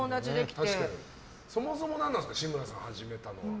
そもそも何でですか志村さん始めたのは。